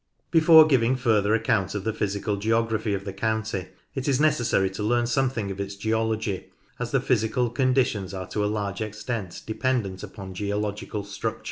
Before giving further account of the physical geography of the county it is necessary to learn something of its geology, as the physical conditions are to a large extent dependent upon geological structure.